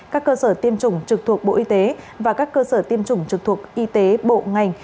các cơ sở tiêm chủng trực thuộc bộ y tế và các cơ sở tiêm chủng trực thuộc y tế bộ ngành